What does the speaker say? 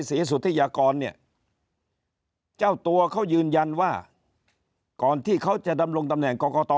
สุธิยากรเนี่ยเจ้าตัวเขายืนยันว่าก่อนที่เขาจะดำรงตำแหน่งกรกต